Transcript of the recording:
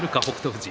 富士。